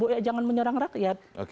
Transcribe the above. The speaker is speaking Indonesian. ya jangan menyerang rakyat